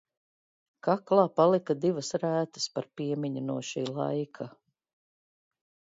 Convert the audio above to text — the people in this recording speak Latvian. Kaklā palika divas rētas, par piemiņu no šī laika.